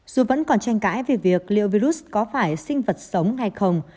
dù vẫn còn tranh cãi về việc liệu virus có phải sinh vật sống hay không